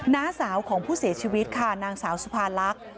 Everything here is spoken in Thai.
น้าสาวของผู้เสียชีวิตค่ะนางสาวสุภาลักษณ์